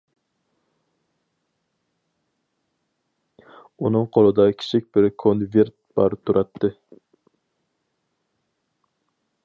ئۇنىڭ قولىدا كىچىك بىر كونۋېرت بار تۇراتتى.